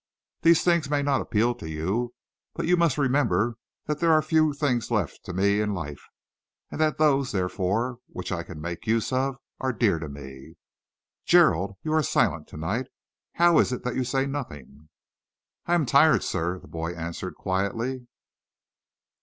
These things may not appeal to you, but you must remember that there are few things left to me in life, and that those, therefore, which I can make use of, are dear to me. Gerald, you are silent to night. How is it that you say nothing?" "I am tired, sir," the boy answered quietly.